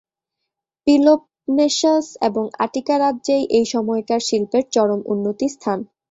Peloponnesus এবং Attica রাজ্যেই এই সময়কার শিল্পের চরম উন্নতি-স্থান।